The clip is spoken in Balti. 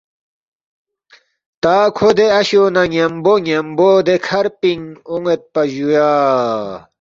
تا کھو دے اشو نہ ن٘یمبو ن٘یمبو دے کھر پِنگ اون٘یدپا جُویا